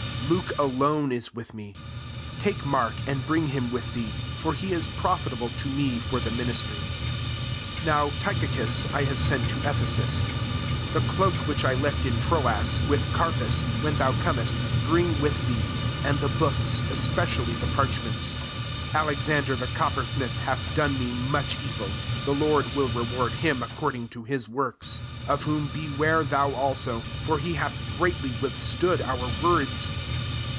11 Luke alone is with me. Take Mark, and bring him with thee : for he is profitable to me for the ministry. 12 Now Tychicus I have sent to Ephesus. 13 The cloak which I left in Troas with Car 346 TITUS I pus, when thou comest, bring vnth thee; and the books, es pecUllf the parchments. 14 Alexander the coppersmith hath done me much evil : the Lord will reward him according to his works. 15 Of whom beware thou also ; for he hath greatly withstood our words.